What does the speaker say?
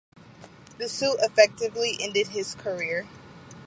The suit effectively ended his career.